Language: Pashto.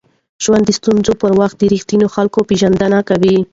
ژوند د ستونزو پر وخت د ریښتینو خلکو پېژندنه کوي.